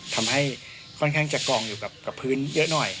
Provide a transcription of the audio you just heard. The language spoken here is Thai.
ทำให้ค่อนข้างจะกองอยู่กับพื้นเยอะหน่อย